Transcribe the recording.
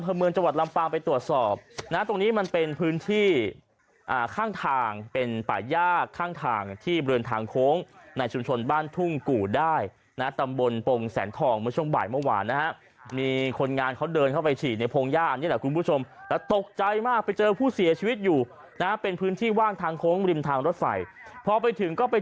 เมืองจังหวัดลำปางไปตรวจสอบนะตรงนี้มันเป็นพื้นที่ข้างทางเป็นป่าย่าข้างทางที่บริเวณทางโค้งในชุมชนบ้านทุ่งกู่ได้นะตำบลปงแสนทองเมื่อช่วงบ่ายเมื่อวานนะฮะมีคนงานเขาเดินเข้าไปฉี่ในพงหญ้านี่แหละคุณผู้ชมแล้วตกใจมากไปเจอผู้เสียชีวิตอยู่นะเป็นพื้นที่ว่างทางโค้งริมทางรถไฟพอไปถึงก็ไป